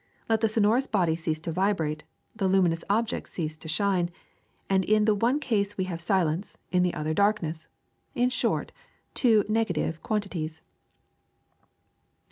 Let the sonorous body cease to vibrate, the luminous ob ject cease to shine, and in the one case we have silence, in the other darkness ; in short, two negative quantities.